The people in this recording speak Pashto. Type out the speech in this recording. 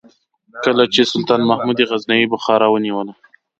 کله چې سلطان محمود غزنوي بخارا ونیوله.